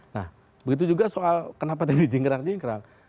nah begitu juga soal kenapa tidak